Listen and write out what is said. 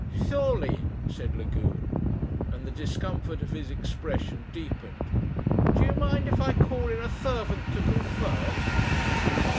"Surely," said Lagune, and the discomfort of his expression deepened. "Do you mind if I call in a servant to confirm